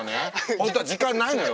本当は時間ないのよ。